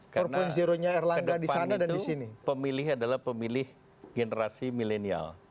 karena ke depan itu pemilih adalah pemilih generasi milenial